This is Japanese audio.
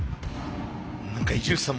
何か伊集院さん